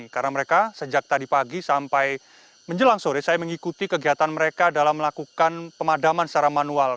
karena mereka sejak tadi pagi sampai menjelang sore saya mengikuti kegiatan mereka dalam melakukan pemadaman secara manual